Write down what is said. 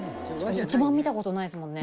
見たことないですもんね。